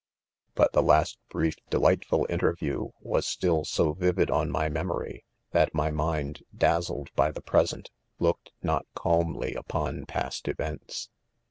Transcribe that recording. { But the last brief, delightful interview, was still so vivid on my '.memory, that my mind dazzled by the present, looked not calmly up on past events.